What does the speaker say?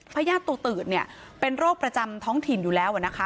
ญาติตูตืดเนี่ยเป็นโรคประจำท้องถิ่นอยู่แล้วนะคะ